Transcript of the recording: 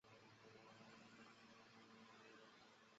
天主教阿奎教区是天主教会在义大利的一个教区。